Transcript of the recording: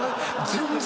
全然。